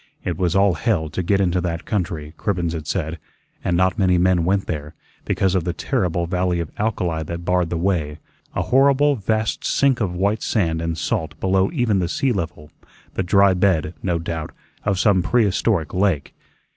It was all hell to get into that country, Cribbens had said, and not many men went there, because of the terrible valley of alkali that barred the way, a horrible vast sink of white sand and salt below even the sea level, the dry bed, no doubt, of some prehistoric lake.